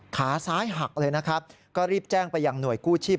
ขาซ้ายหักเลยนะครับก็รีบแจ้งไปยังหน่วยกู้ชีพ